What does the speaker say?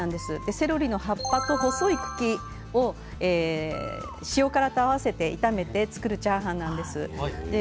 セロリの葉っぱと細い茎を塩辛と合わせて炒めて作るチャーハンなんです。